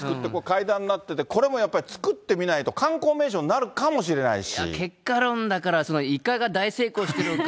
だから、これ、本村さん、１億６０００万円使って階段になってて、これもやっぱり、作ってみないと観光名所になるかもしれないし。